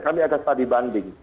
kami akan setadibanding